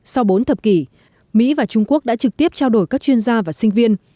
sau bốn thập kỷ mỹ và trung quốc đã trực tiếp trao đổi các chuyên gia và sinh viên